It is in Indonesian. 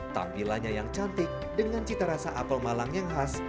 tampilannya yang cantik dengan cita rasa apel malang yang khas